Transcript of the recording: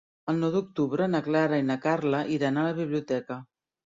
El nou d'octubre na Clara i na Carla iran a la biblioteca.